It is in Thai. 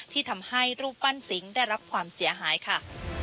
ที่ทำให้รูปปั้นสิงห์ได้รับความเสียหายค่ะ